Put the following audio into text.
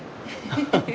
フフフ。